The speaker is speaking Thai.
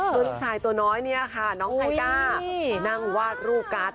ลูกชายตัวน้อยเนี่ยค่ะน้องไทก้าไปนั่งวาดรูปการ์ด